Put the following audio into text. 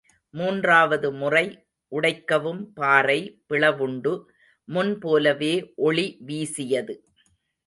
மூன்றாவது முறை உடைக்கவும் பாறை பிளவுண்டு, முன் போலவே ஒளி வீசியது.